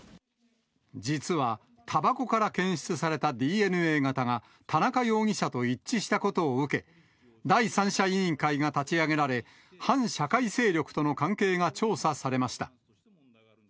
実は、たばこから検出されたＤＮＡ型が、田中容疑者と一致したことを受け、第三者委員会が立ち上げられ、反社会勢力との関係が調査されました。